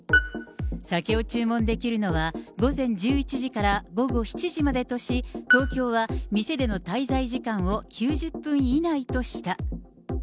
酒を注文できるのは、午前１１時から午後７時までとし、東京は店での滞在時間を９０分以内とした。